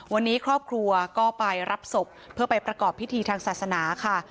วันนี้ครอบครัวก็ไปรับศพเพื่อไปประกอบพิธีทางศาสนาค่ะ